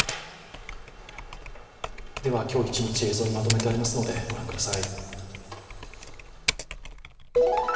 今日一日、映像にまとめてありますので、ご覧ください。